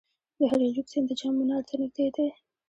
د هریرود سیند د جام منار ته نږدې دی